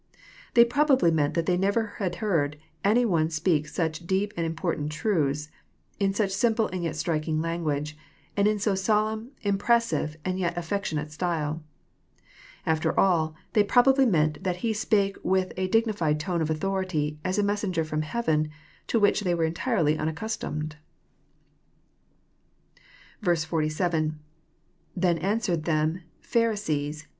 They probably meant that they had never heard any one speak such deep and important truths — in such simple and yet striking language — and in so solemn, impressive, and yet afflectlonate style. Above all, they probably meant that He spi^e with a dignified tone of authority, as a messenger from heaven, to which they were entirely unaccustomed. 47. — IThen answered iJi€m.,.Phari8ees